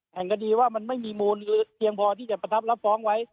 แห่งคดีว่ามันไม่มีมูลเพียงพอที่จะประทับรับฟ้องไว้